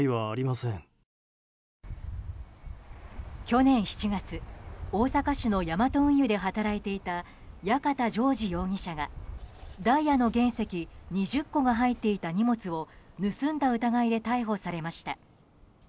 去年７月大阪市のヤマト運輸で働いていた矢方丈司容疑者がダイヤの原石２０個が入っていた荷物を盗んだ疑いで逮捕されました。